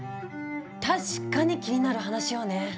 確かに気になる話よね。